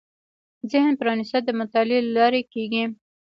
ذهن پرانېستل د مطالعې له لارې کېږي